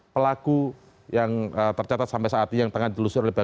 pelaku yang tercatat sampai saat ini yang telusur oleh pki